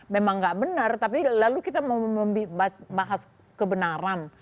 memang nggak benar tapi lalu kita mau membahas kebenaran